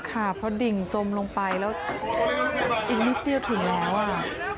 ค่ะพอดิ่งจมลงไปแล้วอีกนิดเดียวถึงแล้วอ่ะ